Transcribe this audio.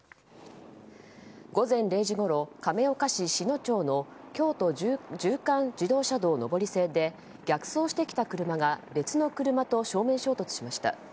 午前０時ごろ、亀岡市篠町の京都縦貫自動車道上り線で逆走してきた車が別の車と正面衝突しました。